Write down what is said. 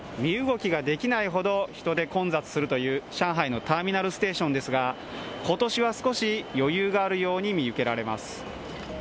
春節期間は身動きができないほど人で混雑するという上海のターミナルステーションですが、今年は少し余裕があるように見受けられます。